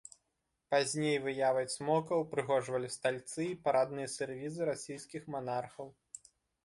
Пазней выявай цмока ўпрыгожвалі стальцы і парадныя сервізы расійскіх манархаў.